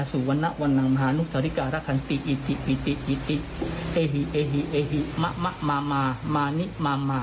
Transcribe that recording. ดูเสร็จให้เป็นทอง